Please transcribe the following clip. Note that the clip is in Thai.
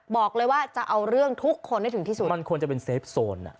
บอกเลยว่าจะเอาเรื่องทุกคนให้ถึงที่สุดมันควรจะเป็นเซฟโซนอ่ะ